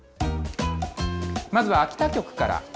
まずは秋田局から。